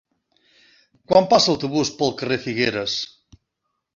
Quan passa l'autobús pel carrer Figueres?